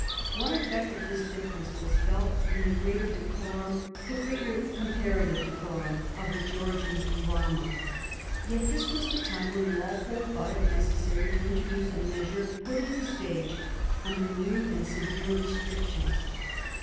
One effect of this dif . ference was felt in the greater decorum, the greater com parative decorum, of the Georgian drama. Yet this was the time when Walpole thought is neces sary to introduce a measure putting the stage under new 1737. AUDACIOUS ATTEMPT AT BLACK ^MAILINO. 95 and severe restrictions.